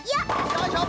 よいしょ。